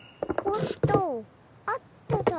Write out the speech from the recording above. おっとと！